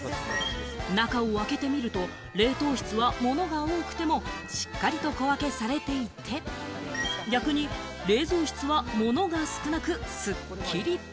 中を開けてみると、冷凍室は物が多くても、しっかりと小分けされていて、逆に冷蔵室は物が少なくすっきり。